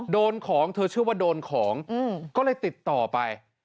โดนของเธอเชื่อว่าโดนของก็เลยติดต่อไป